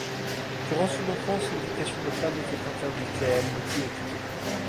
Durant son enfance, l'éducation des femmes était interdite et elle ne put étudier.